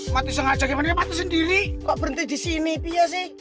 mati sengaja gimana mati sendiri kok berhenti di sini biar sih